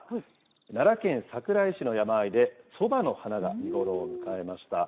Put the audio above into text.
奈良県桜井市の山あいで、そばの花が見頃を迎えました。